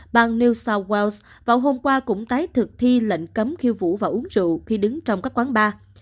bang new south wales vào hôm qua cũng tái thực thi lệnh cấm khiêu vũ và uống rượu khi đứng trong các quán bar